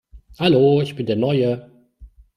Hallo, ich bin der Neue!